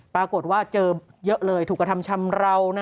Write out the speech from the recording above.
ปรากฏว่าเจอเยอะเลยถูกกระทำชำราว